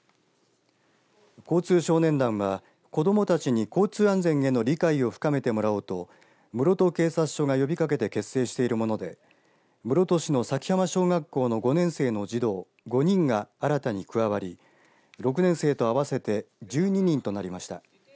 交通少年団は子どもたちに交通安全への理解を深めてもらおうと室戸警察署が呼びかけて結成しているもので室戸市の佐喜浜小学校の５年生の児童５人が新たに加わり６年生と合わせて１２人となりました。